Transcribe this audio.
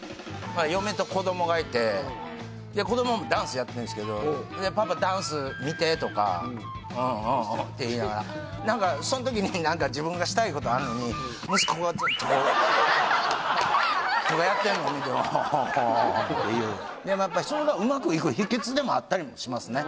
嫁と子供がいてで子供もダンスやってるんですけど「パパダンス見て」とか「うんうん」って言いながら何かそのときに自分がしたいことあるのに息子がずっとこうとかやってるのを見てああっていうでもやっぱりそれがうまくいく秘訣でもあったりもしますね